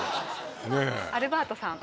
アルバートさん